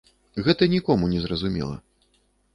Гэта нікому не зразумела.